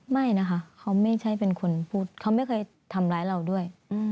ไม่นะคะเขาไม่ใช่เป็นคนพูดเขาไม่เคยทำร้ายเราด้วย